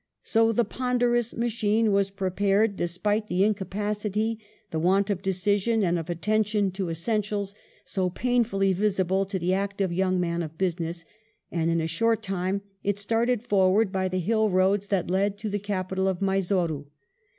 So the "ponderous machine" was prepared, despite the "incapacity," the want of decision and of attention to essentials, so painfully visible to the active young man of business ; and in a short time it started forward by the hill roads that led to the capital of Mysore.